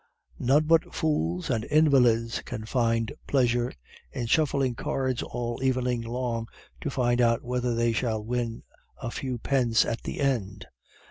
"'None but fools and invalids can find pleasure in shuffling cards all evening long to find out whether they shall win a few pence at the end.